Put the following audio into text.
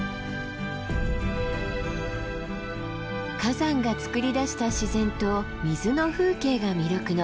火山がつくり出した自然と水の風景が魅力の日光白根山です。